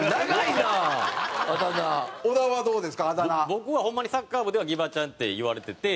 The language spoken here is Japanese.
僕はホンマにサッカー部では「ギバちゃん」って言われてて。